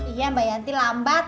iya mbak yanti lambat